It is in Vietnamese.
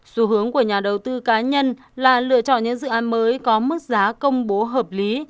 dù hướng của nhà đầu tư cá nhân là lựa chọn những dự án mới có mức giá công bố hợp lý